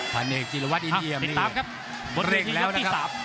ภันเอกจิลวัดอินเยี่ยมเร่งแล้วนะครับ